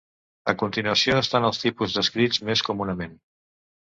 A continuació estan els tipus descrits més comunament.